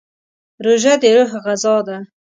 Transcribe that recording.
روژه د روح غذا ده.